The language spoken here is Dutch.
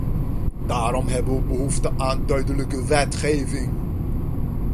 Daarom hebben we behoefte aan duidelijke wetgeving.